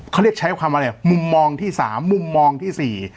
เขาเรียกใช้ความอะไรมุมมองที่สามมุมมองที่สี่